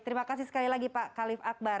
terima kasih sekali lagi pak khalif akbar